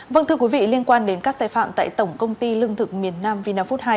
vâng thưa quý vị liên quan đến các sai phạm tại tổng công ty lương thực miền nam vina food hai